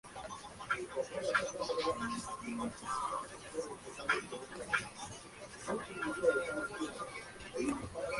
Este depende del Ministerio de Agricultura, Ganadería y Pesca, con autarquía operativa y financiera.